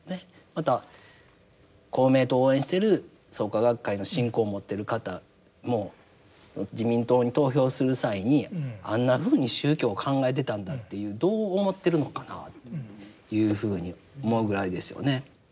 また公明党を応援してる創価学会の信仰を持ってる方も自民党に投票する際にあんなふうに宗教を考えてたんだっていうどう思ってるのかなというふうに思うぐらいですよね。